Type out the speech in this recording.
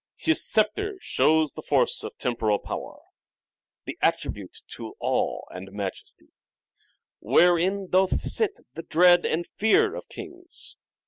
His sceptre shows the force of temporal power, The attribute to awe and majesty, Wherein doth sit the dread and fear of kings.